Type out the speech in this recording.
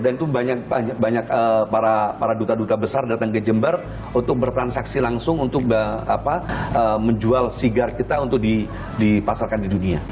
dan itu banyak para duta duta besar datang ke jember untuk bertransaksi langsung untuk menjual cigar kita untuk dipasarkan di dunia